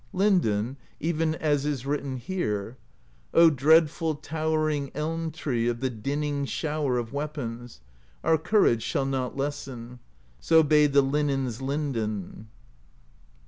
Linden, even as is written here: O dreadful, towering Elm Tree Of the dinning shower of weapons. Our courage shall not lessen: So bade the Linen's Linden.